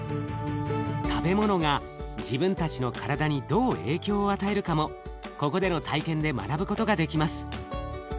食べ物が自分たちの体にどう影響を与えるかもここでの体験で学ぶことができます。